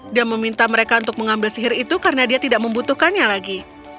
dia meminta mereka untuk mengambil sihir itu karena dia tidak membutuhkannya lagi